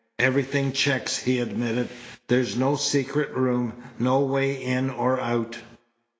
"Everything checks," he admitted. "There's no secret room, no way in or out.